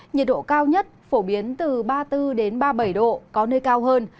nhiệt độ cao nhất phổ biến từ ba mươi bốn ba mươi bảy độ có nơi cao hơn